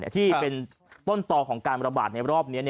ที่เป็นต้นต่อของการระบาดในรอบนี้